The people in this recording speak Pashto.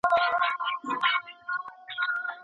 زړه مي تور له منبرونو د ریا له خلوتونو